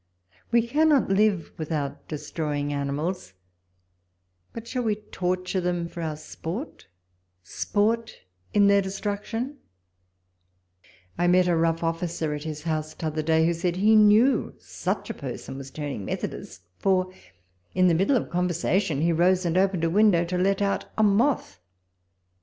We cannot live without destroying animals, but shall we torture them for our sport — sport in their destruction I I met a rough officer at his house t'other day, who said he knew^ such a person was turning Methodist ; for, in the middle of conversation, he rose, and opened the window, to let out a moth.